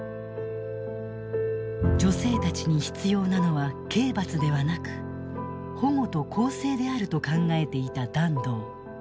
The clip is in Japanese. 女性たちに必要なのは刑罰ではなく保護と更生であると考えていた團藤。